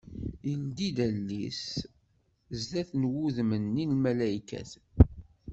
Yeldi-d allen-is sdat n wudem-nni n lmalaykat.